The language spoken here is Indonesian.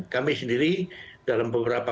kami sendiri dalam beberapa